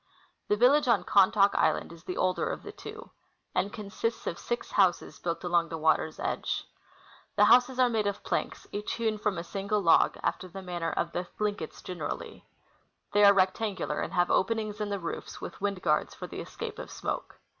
The village on Khantaak island is the older of the two, and consists of six houses built along the water's edge. The houses are made of planks, each hewn from a single 80 I. C. PiUssell — Expedition to Mount St. Elias. log, after the manner of the ThHnkets generally. They are rect angular, and have openings in the roofs, with wind guards, for the escape of smoke.